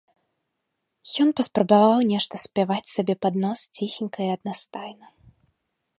Ён паспрабаваў нешта спяваць сабе пад нос ціхенька і аднастайна.